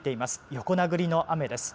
横殴りの雨です。